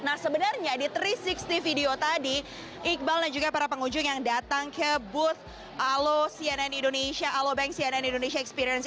nah sebenarnya di tiga ratus enam puluh video tadi iqbal dan juga para pengunjung yang datang ke booth cnn indonesia alobank cnn indonesia experience